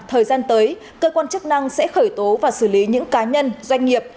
thời gian tới cơ quan chức năng sẽ khởi tố và xử lý những cá nhân doanh nghiệp